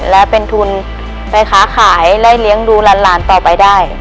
และเป็นทุนไปค้าขายไล่เลี้ยงดูหลานต่อไปได้